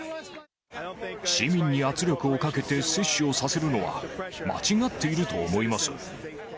市民に圧力をかけて接種をさせるのは、間違っていると思います。